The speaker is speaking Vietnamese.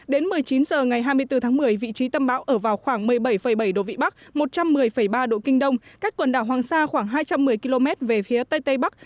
đến một mươi chín h ngày hai mươi bốn tháng một mươi vị trí tâm bão ở vào khoảng một mươi bảy bảy độ vĩ bắc một trăm một mươi ba độ kinh đông cách quần đảo hoàng sa khoảng hai trăm một mươi km về phía tây tây bắc